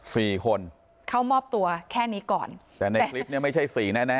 สี่คนเข้ามอบตัวแค่นี้ก่อนแต่ในคลิปเนี้ยไม่ใช่สี่แน่แน่